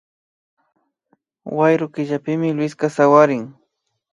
Wayru killapimi Luiska sawarin